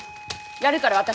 やるから私。